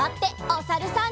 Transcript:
おさるさん。